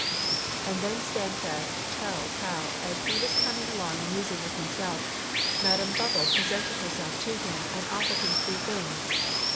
And then Standfast tells how as he was coming along musing with himself, Madam Bubble presented herself to him and offered him three things.